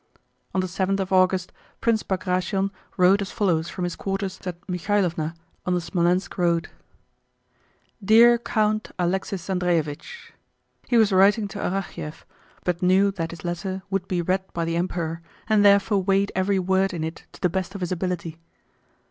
On the seventh of August Prince Bagratión wrote as follows from his quarters at Mikháylovna on the Smolénsk road: Dear Count Aléxis Andréevich—(He was writing to Arakchéev but knew that his letter would be read by the Emperor, and therefore weighed every word in it to the best of his ability.)